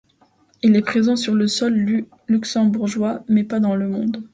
Il est présent sur le sol luxembourgeois mais pas dans le monde.